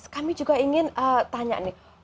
kami juga ingin tanya nih